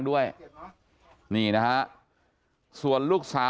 สวัสดีครับคุณผู้ชาย